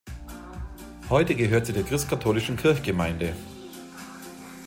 Heute gehört sie der christkatholischen Kirchgemeinde.